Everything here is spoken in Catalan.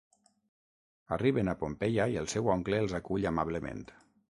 Arriben a Pompeia i el seu oncle els acull amablement.